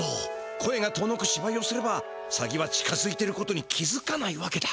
声が遠のくしばいをすればサギは近づいてることに気づかないわけだ。